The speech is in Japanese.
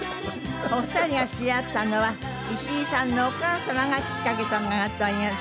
お二人が知り合ったのは石井さんのお母様がきっかけと伺っております。